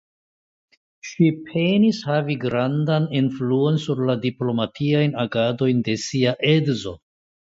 Ŝi penis havi grandan influon sur la diplomatiajn agadojn de sia edzo.